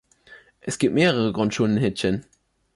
Es gibt mehrere Grundschulen in Hitchin.